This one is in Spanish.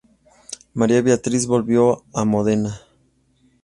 María Beatriz volvió a Módena.